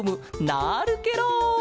なるケロ！